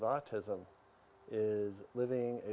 apakah itu menurut anda